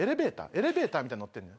エレベーターみたいのに乗ってるの？